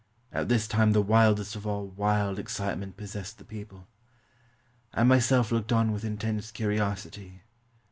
At this time the wildest of all wild excitement possessed the people. I myself looked on with intense curiosity.